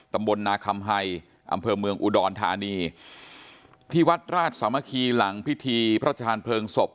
ตำบลนาคัมไฮอำเภอเมืองอุดรธานีที่วัดราชสามัคคีหลังพิธีพระชาญเพลิงศพ